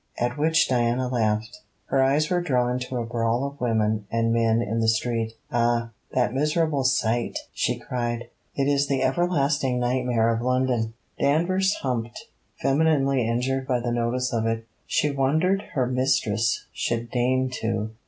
at which Diana laughed. Her eyes were drawn to a brawl of women and men in the street. 'Ah! that miserable sight!' she cried. 'It is the everlasting nightmare of London.' Danvers humped, femininely injured by the notice of it. She wondered her mistress should deign to.